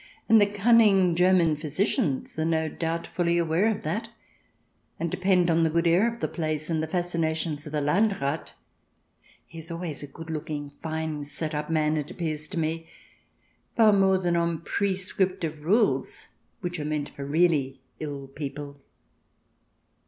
And the cunning German physicians are no doubt fully aware of that, and depend on the good air of the place and the fascinations of the Landrath — he is always a good looking, fine set up man, it appears to me — far more than on prescriptive rules which are meant for really ill people.